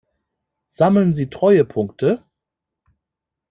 Sammeln Sie Treuepunkte?